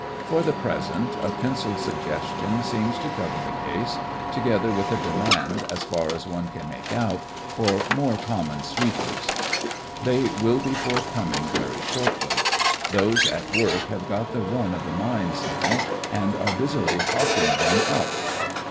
For the present a pen cilled suggestion seems to cover the case, together with a demand, as far as one can make out, for "more common sweepers." They will be forthcoming very shortly. Those at work have got the run of the mines now, and are busily howking them up.